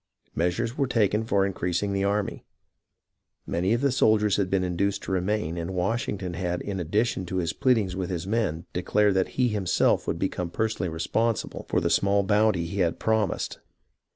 Measures were taken for increasing the army. Many of the soldiers had been induced to remain, and Washington had in addition to his pleadings with his men declared that he himself would become personally respon sible for the small bounty he had promised.